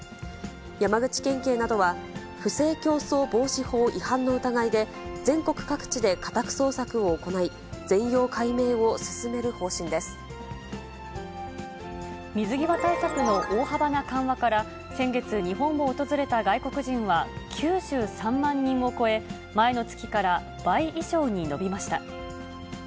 山口県警などは、不正競争防止法違反の疑いで、全国各地で家宅捜索を行い、水際対策の大幅な緩和から、先月、日本を訪れた外国人は９３万人を超え、前の月から倍以上に伸びました。